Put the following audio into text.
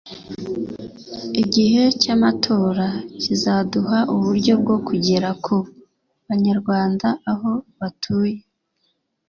Igihe cy’amatora kizaduha uburyo bwo kugera ku Banyarwanda aho batuye